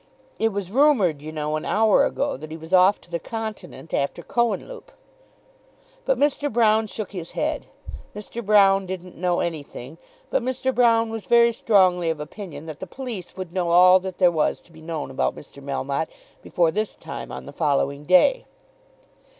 It was rumoured, you know, an hour ago, that he was off to the continent after Cohenlupe." But Mr. Brown shook his head. Mr. Brown didn't know anything. But Mr. Brown was very strongly of opinion that the police would know all that there was to be known about Mr. Melmotte before this time on the following day.